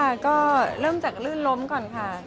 ค่ะก็เริ่มจากลื่นล้มก่อนค่ะ